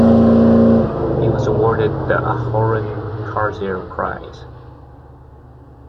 He was awarded the Aharon Karzir Prize.